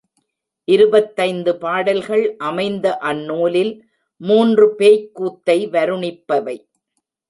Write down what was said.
இருபத்தைந்து பாடல்கள் அமைந்த அந்நூலில் மூன்று பேய்க்கூத்தை வருணிப்பவை.